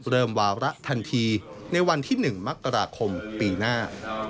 วาระทันทีในวันที่๑มกราคมปีหน้า